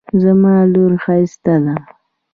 زما لور ښایسته ده